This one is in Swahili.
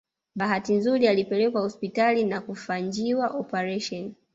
Bahati nzuri alipelekwa hospitali na kufanjiwa operation